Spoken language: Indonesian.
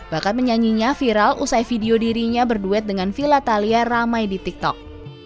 bahkan menyanyinya viral usai video dirinya berduet dengan villa thalia ramai di tiktok